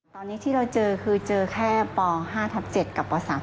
ตอนนี้ที่เราเจอคือเจอแค่ป๕ทับ๗กับป๓